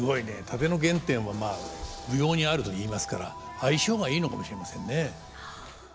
殺陣の原点はまあ舞踊にあるといいますから相性がいいのかもしれませんね。